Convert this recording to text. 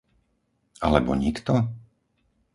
Alebo nikto?